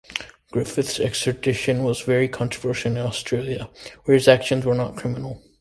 Griffiths' extradition was very controversial in Australia, where his actions were not criminal.